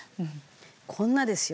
こんなですよ。